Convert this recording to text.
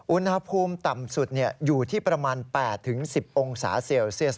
อุณหภูมิต่ำสุดอยู่ที่ประมาณ๘๑๐องศาเซลเซียส